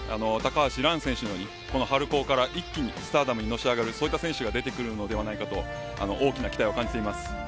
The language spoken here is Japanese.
高橋藍選手のように春高から一気にスターダムにのし上がる選手が出てくるのではないかと大きな期待を感じています。